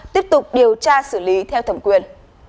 tiếp tục điều tra xử lý theo thẩm quyền